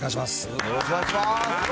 よろしくお願いします。